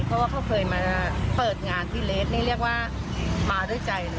เพราะว่าเขาเคยมาเปิดงานที่เลสนี่เรียกว่ามาด้วยใจเลย